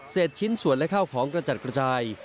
ชิ้นส่วนและข้าวของกระจัดกระจาย